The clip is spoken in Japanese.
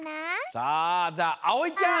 さあじゃああおいちゃん。